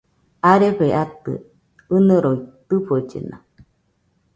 Arefe atɨ ɨniroi tɨfollena